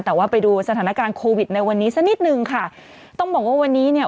แต่ว่าไปดูสถานการณ์โควิดในวันนี้สักนิดนึงค่ะต้องบอกว่าวันนี้เนี่ย